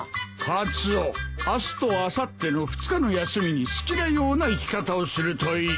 カツオ明日とあさっての２日の休みに好きなような生き方をするといい。